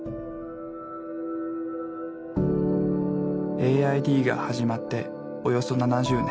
ＡＩＤが始まっておよそ７０年。